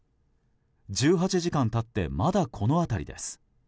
１８時間経ってまだこの辺りです。